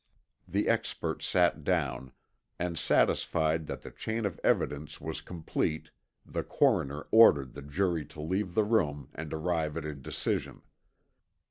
The expert sat down, and satisfied that the chain of evidence was complete the coroner ordered the jury to leave the room and arrive at a decision.